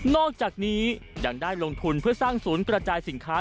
อกจากนี้ยังได้ลงทุนเพื่อสร้างศูนย์กระจายสินค้า